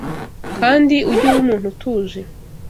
kandi ujye uba umuntu utuje,